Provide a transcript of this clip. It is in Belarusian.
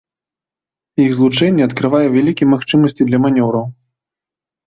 Іх злучэнне адкрывае вялікія магчымасці для манеўраў.